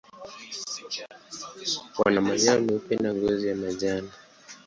Wana manyoya meupe na ngozi ya manjano.